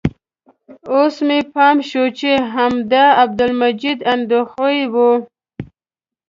اوس مې پام شو چې همدا عبدالمجید اندخویي و.